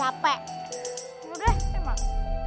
tadi taksinya ga dateng dateng